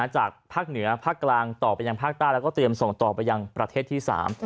จากภาคเหนือภาคกลางต่อไปยังภาคใต้แล้วก็เตรียมส่งต่อไปยังประเทศที่๓